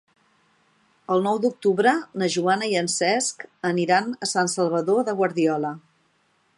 El nou d'octubre na Joana i en Cesc aniran a Sant Salvador de Guardiola.